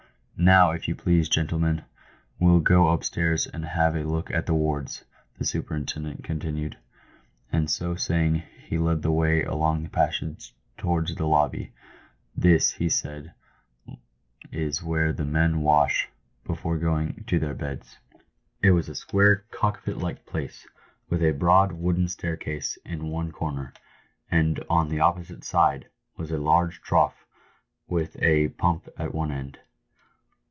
" Now, if you please, gentlemen, we'll go up stairs and have a look at the wards," the superintendent continued; and so saying, he led the way along the passage towards the lobby. " This," he said, " is where the men wash, before going to their beds." It was a square cockpit like place, with a broad, wooden staircase in one corner, and on the opposite side was a large trough with a pump at one end.